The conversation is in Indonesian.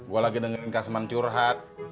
gue lagi dengerin kak seman curhat